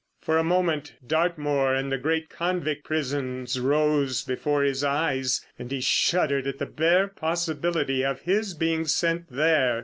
For a moment Dartmoor and the great convict prisons rose before his eyes, and he shuddered at the bare possibility of his being sent there.